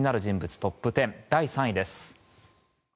トップ１０第３位です。